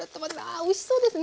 あおいしそうですね。